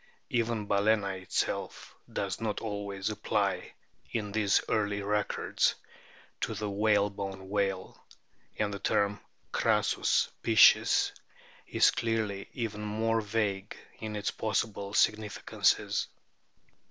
Even Balcena itself does not always apply in these early records to the whale bone whale, and the term " crassus piscis" is clearly even more vague in its possible significances.